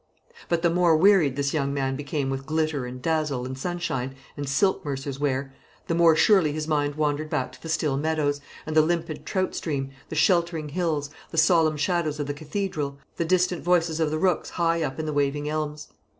But the more wearied this young man became with glitter, and dazzle, and sunshine, and silk mercer's ware, the more surely his mind wandered back to the still meadows, and the limpid trout stream, the sheltering hills, the solemn shadows of the cathedral, the distant voices of the rooks high up in the waving elms.